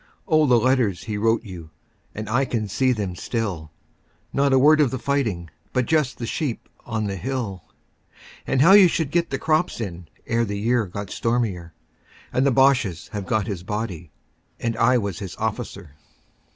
Oh, the letters he wrote you, And I can see them still. Not a word of the fighting But just the sheep on the hill And how you should get the crops in Ere the year got stormier, 40 And the Bosches have got his body. And I was his officer.